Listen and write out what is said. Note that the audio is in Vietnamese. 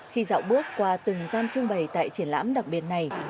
khi dạo bước qua từng gian trưng bày tại triển lãm đặc biệt này